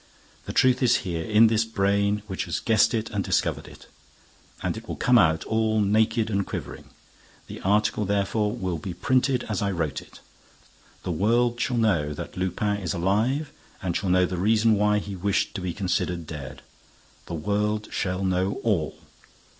The truth is here, in this brain which has guessed it and discovered it; and it will come out, all naked and quivering. The article, therefore, will be printed as I wrote it. The world shall know that Lupin is alive and shall know the reason why he wished to be considered dead. The world shall know all."